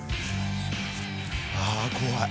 ああ怖い。